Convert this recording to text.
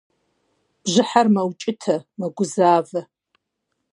Бжьыхьэр мэукӏытэ, мэгузавэ.